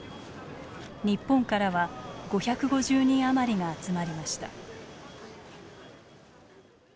日本からは５５０人余りが集まりました。